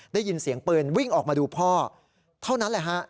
ได้ยินเสียงปืนวิ่งออกมาดูพ่อเท่านั้นแหละฮะ